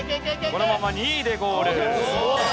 このまま２位でゴール。